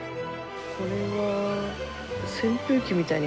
これは。